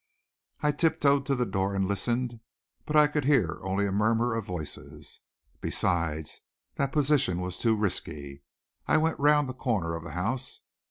I tiptoed to the door and listened, but I could hear only a murmur of voices. Besides, that position was too risky. I went round the corner of the house.